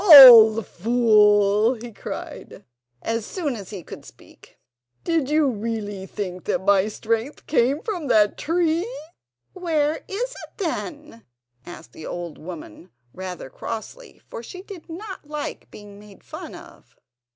"Old fool," he cried, as soon as he could speak, "did you really believe that my strength came from that tree?" "Where is it then?" asked the old woman, rather crossly, for she did not like being made fun of.